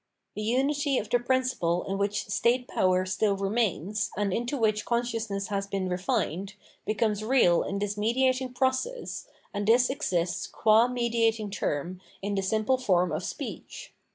The unity of the principle in which state power still remains, and into which consciousness has been refined, becomes real in this mediating pro cess, and this exists qua mediating term in the simple form of speech.